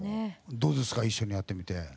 どうですか一緒にやってみて。